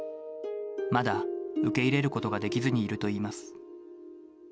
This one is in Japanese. まだ受け入れることができずにいるといいます。